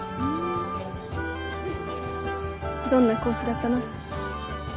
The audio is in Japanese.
どんなコースだったの？